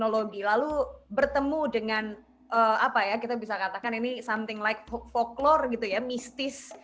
teknologi lalu bertemu dengan apa ya kita bisa katakan ini something like folklore gitu ya mistis